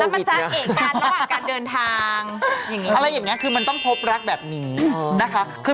เออรอวัคซีนวัคซีนมาปุ๊บก็พุ่งเหลือ